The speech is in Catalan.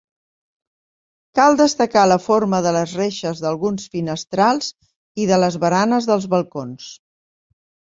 Cal destacar la forma de les reixes d'alguns finestrals i de les baranes dels balcons.